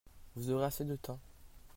Vous aurez assez de temps.